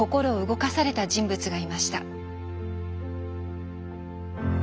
動かされた人物がいました。